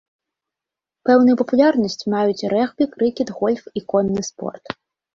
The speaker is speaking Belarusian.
Пэўную папулярнасць маюць рэгбі, крыкет, гольф і конны спорт.